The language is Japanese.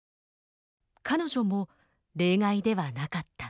彼女も例外ではなかった。